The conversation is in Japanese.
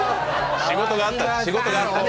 仕事があったね。